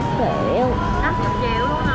năm mươi triệu hả